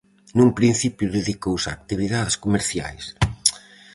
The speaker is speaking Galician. Nun principio dedicouse a actividades comerciais.